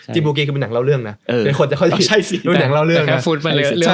จริงบูอร์เกมคือเป็นหนังเล่าเรื่องนะเป็นคนจะค่อยเป็นหนังเล่าเรื่องนะ